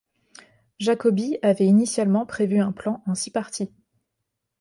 Jacoby avait initialement prévu un plan en six parties.